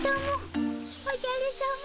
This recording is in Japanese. おじゃるさま。